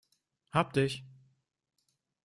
Hab dich!